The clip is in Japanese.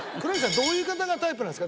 どういう方がタイプなんですか？